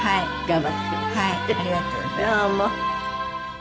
どうも。